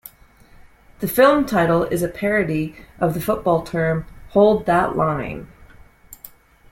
The film title is a parody of the football term, Hold that line!